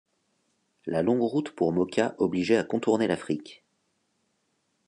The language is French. La longue route pour Moka obligeait à contourner l'Afrique.